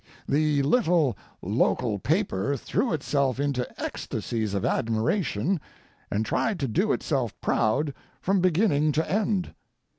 The little local paper threw itself into ecstasies of admiration and tried to do itself proud from beginning to end.